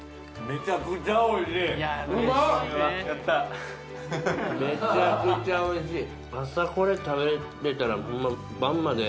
めちゃくちゃおいしい・お！